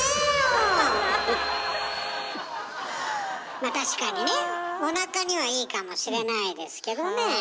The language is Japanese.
まあ確かにねおなかにはいいかもしれないですけどね。